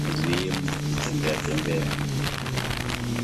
Wazuie mbwa kutembeatembea